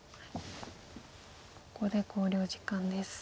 ここで考慮時間です。